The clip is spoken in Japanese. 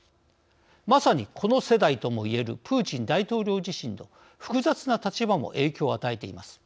まさにこの世代ともいえるプーチン大統領自身の複雑な立場も影響を与えています。